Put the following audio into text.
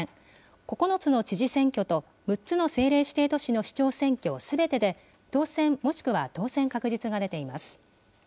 ９つの知事選挙と、６つの政令指定都市の市長選挙すべてで、当選もしくは当選確実が出ています。